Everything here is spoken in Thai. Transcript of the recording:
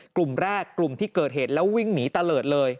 กลุ่มแรกกลุ่มที่เกิดเหตุแล้ววิ่งหนีตะเลิศเลย